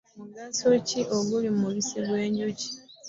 Mugaso ki oguli mu mubisi gwe njuki?